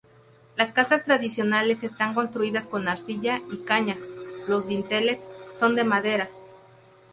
Las casas tradicionales están construidas con arcilla y cañas, los dinteles son de madera.